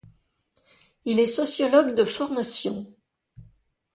Il est sociologue de formation.